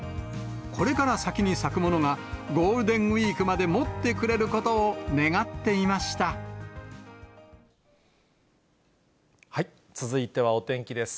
これから先に咲くものが、ゴールデンウィークまでもってくれるこ続いてはお天気です。